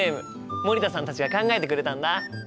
森田さんたちが考えてくれたんだ！